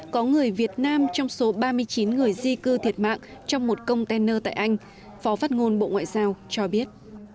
có người việt nam trong số ba mươi chín người di cư thiệt mạng trong một container tại anh phó phát ngôn bộ ngoại giao cho biết